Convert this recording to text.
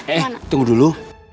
eh tunggu dulu